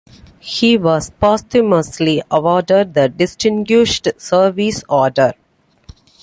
He was posthumously awarded the Distinguished Service Order.